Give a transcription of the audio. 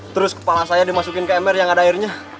terus kepala saya dimasukin ke ember yang ada airnya